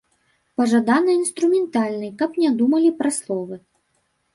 Пажадана інструментальнай, каб не думалі пра словы.